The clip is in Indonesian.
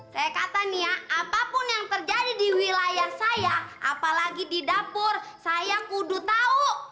saya kata nih ya apapun yang terjadi di wilayah saya apalagi di dapur saya kudu tahu